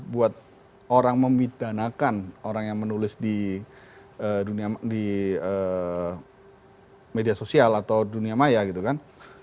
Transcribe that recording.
buat orang memidanakan orang yang menulis di media sosial atau dunia maya gitu kan